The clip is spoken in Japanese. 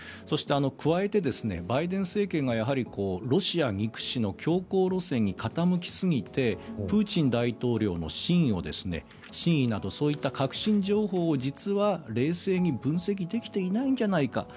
そして、加えてバイデン政権がやはりロシア憎しの強硬路線に傾きすぎてプーチン大統領の真意などそういった核心情報を実は冷静に分析できていないんじゃないか。